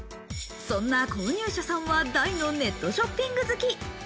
そんな購入者さんは大のネットショッピング好き。